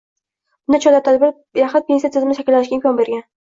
Bunday chora-tadbir yaxlit pensiya tizimi shakllanishiga imkon bergan